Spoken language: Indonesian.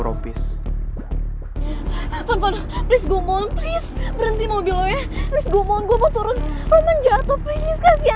rompis gue mau lu kenapa sih